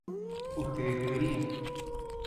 ustedes beberían